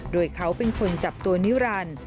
โดยเขาเป็นคนจับตัวนิรันดิ์